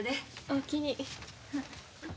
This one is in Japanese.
おおきに。